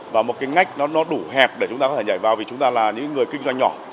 và một cái ngách nó đủ hẹp để chúng ta có thể nhảy vào vì chúng ta là những người kinh doanh nhỏ